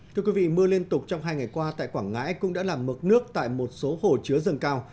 thưa quý vị mưa liên tục trong hai ngày qua tại quảng ngãi cũng đã làm mực nước tại một số hồ chứa dâng cao